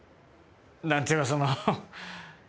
なんていうのその。